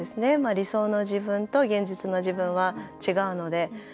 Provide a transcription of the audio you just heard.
理想の自分と現実の自分は違うので。